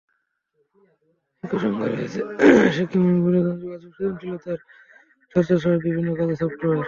একই সঙ্গে রয়েছে শিক্ষামূলক, বিনোদন, যোগাযোগ, সৃজনশীলতার চর্চাসহ বিভিন্ন কাজের সফটওয়্যার।